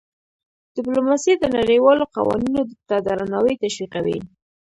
ډيپلوماسي د نړیوالو قوانینو ته درناوی تشویقوي.